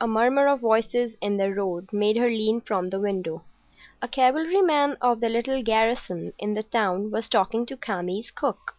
A murmur of voices in the road made her lean from the window. A cavalryman of the little garrison in the town was talking to Kami's cook.